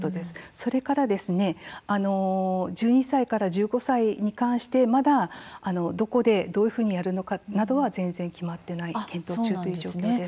それから１２歳から１５歳に関してまだどこで、どういうふうにやるのかなどは、まだ決まっていない、検討中という状況です。